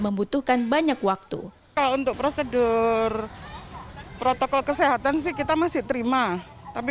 membutuhkan banyak waktu kalau untuk prosedur protokol kesehatan sih kita masih terima tapi